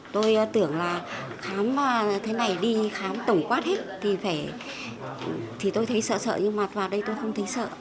tôi tưởng là khám thế này đi khám tổng quát hết thì phải tôi thấy sợ sợ nhưng mà vào đây tôi không thấy sợ